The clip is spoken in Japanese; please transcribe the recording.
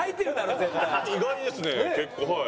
意外ですね結構はい。